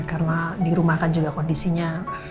karena di rumah kan juga kondisinya